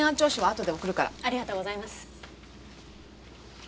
ありがとうございます。